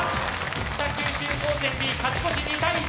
北九州高専Ｂ勝ち越し２対１。